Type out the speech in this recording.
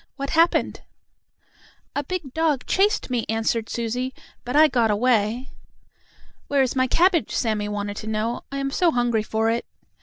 "What happened?" "A big dog chased me," answered Susie. "But I got away." "Where is my cabbage?" Sammie wanted to know. "I am so hungry for it."